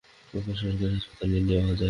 ওকে সরকারি হাসপাতালে নিয়ে যাওয়া হয়েছে।